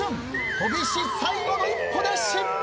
飛び石最後の１個で失敗。